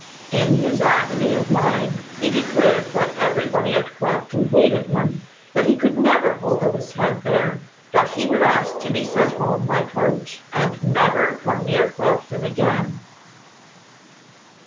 In his agony of mind he declared that everybody at Crofton hated him, that he could never hold up his head there, that he would ask to be sent home by the coach, and never come near Crofton again.